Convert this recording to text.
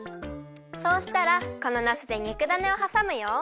そうしたらこのなすでにくだねをはさむよ。